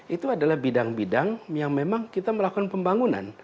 itu adalah bidang bidang yang memang kita melakukan pembangunan